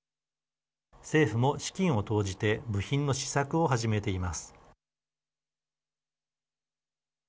政府も資金を投じて部品の試作を始めています。